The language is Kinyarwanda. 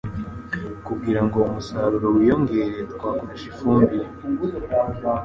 kugira ngo umusaruro wiyongere twakoresha ifumbire